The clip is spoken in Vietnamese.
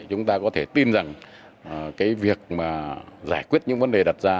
chúng ta có thể tin rằng cái việc mà giải quyết những vấn đề đặt ra